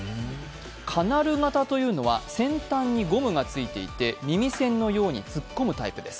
カナル型というのは先端にゴムが付いていて、耳栓のように突っ込むタイプです。